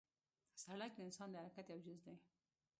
سړک د انسان د حرکت یو جز دی.